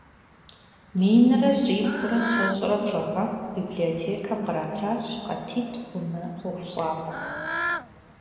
Минрэ щибгъурэ щэщӏрэ плӏы гъэм библиотекэм къратащ къатитӏ хъу мы ӏуэхущӏапӏэр.